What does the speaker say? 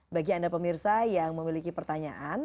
bagi anda pemirsa yang memiliki pertanyaan